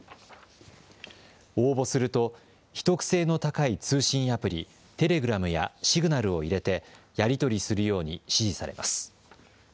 応募すると、秘匿性の高い通信アプリ、テレグラムやシグナルを入れて、やり取りするように指示されます。